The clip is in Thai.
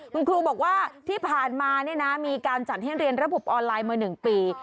คุณครูบอกว่าที่ผ่านมามีการจัดให้เรียนระบบออนไลน์มา๑ปี